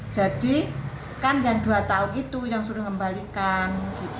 jadi kan yang dua tahun itu yang suruh mengembalikan